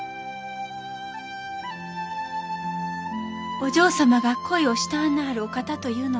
お嬢様が恋をしとんなはるお方というのは。